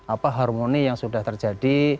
apa harmoni yang sudah terjadi